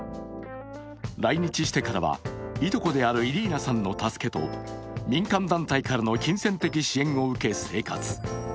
来日してからはいとこであるイリーナさんの助けと民間団体からの金銭的支援を受け、生活。